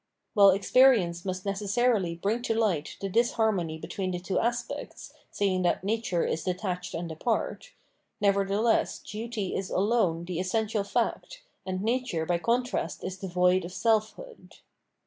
While experience must necessarily bring to light the disharmony between the two aspects, seeing that nature 613 The. Moral View of the World is detached and apart, nevertheless duty is alone the es sential fact and nature by contrast is devoid of self hood.